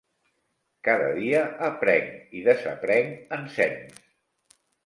Cada dia aprenc i desaprenc ensems.